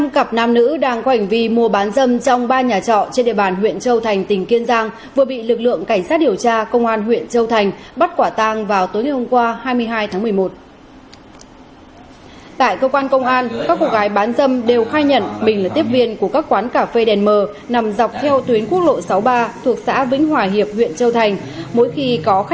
các bạn hãy đăng ký kênh để ủng hộ kênh của chúng mình nhé